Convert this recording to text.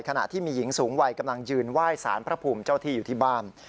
ขณะที่มีหญิงสูงวัยกำลังยืนไหว้สารพระภูมิเจ้าที่อยู่ที่บ้าน